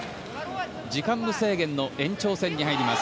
時間無制限の延長戦に入ります。